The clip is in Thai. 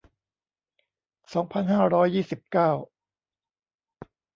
สองพันห้าร้อยยี่สิบเก้า